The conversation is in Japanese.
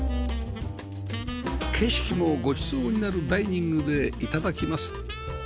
景色もごちそうになるダイニングで頂きます